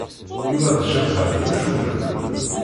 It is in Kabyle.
Yuba d Cabḥa d imcumen.